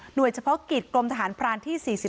หน่วยเฉพาะกิจกลมทหารพรานที่๔๓